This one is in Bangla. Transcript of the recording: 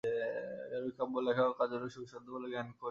আর ঐ কাব্য লেখা, ও কার্যটাও সুসাধ্য বলে জ্ঞান করি নে।